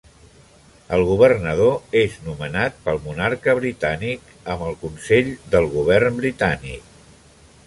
El Governador és nomenat pel Monarca britànic amb el consell del Govern britànic.